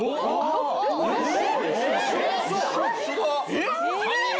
えっ！